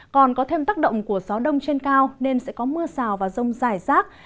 còn có thêm tác động của gió đông trên cao nên sẽ có mưa rào và rông dài rác